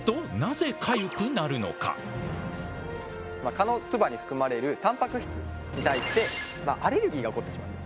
蚊の唾に含まれるたんぱく質に対してアレルギーが起こってしまうんですね。